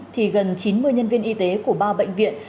thì gần chín mươi nhân viên y tế của ba bệnh viện